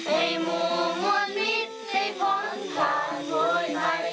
ให้หมู่มวลมิตให้พ้นผ่านโดยให้